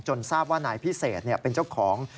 ทราบว่านายพิเศษเป็นเจ้าของ